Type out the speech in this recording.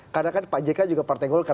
karena kan pak jk juga partai golkar